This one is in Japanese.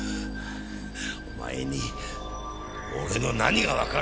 お前に俺の何がわかる！